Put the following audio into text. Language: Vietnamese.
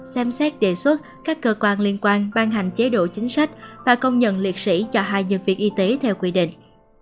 xem xét đề xuất các cơ quan liên quan ban hành chế độ chính sách và công nhận liệt sĩ cho hai nhân viên y tế theo quy định